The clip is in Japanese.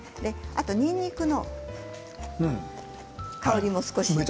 あとにんにくの香りも少し。